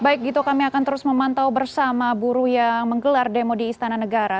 baik gito kami akan terus memantau bersama buruh yang menggelar demo di istana negara